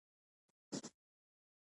د ګچ کاري هنر دی